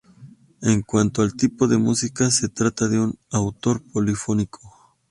En cuanto al tipo de música, se trata de un autor polifónico.